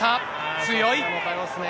強い。